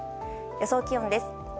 予想気温です。